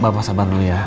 bapak sabar dulu ya